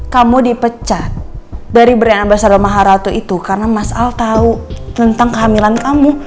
kamu dipecat dari berenam pesadular maharatu itu karena mas al tau tentang kehamilan kamu